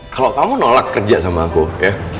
kalau kamu nolak kerja sama aku ya